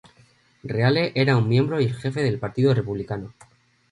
Reale era un miembro y el jefe del Partido Republicano.